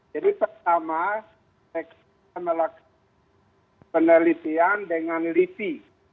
jadi pertama kita melakukan penelitian dengan lisi